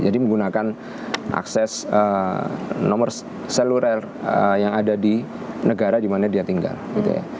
jadi menggunakan akses nomor seluler yang ada di negara dimana dia tinggal gitu ya